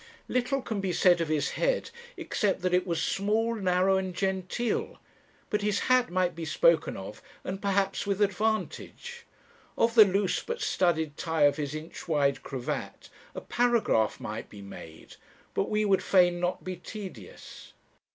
Little can be said of his head, except that it was small, narrow, and genteel; but his hat might be spoken of, and perhaps with advantage. Of the loose but studied tie of his inch wide cravat a paragraph might be made; but we would fain not be tedious.